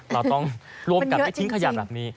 เราต้องรวมกันไม่ทิ้งขยะแบบนี้